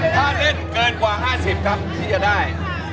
ถ้าเล่นเกินกว่า๕๐ครับที่จะได้